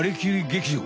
劇場」。